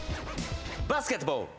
バスケットボール。